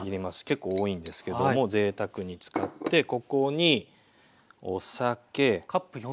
結構多いんですけどもぜいたくに使ってここにお酒。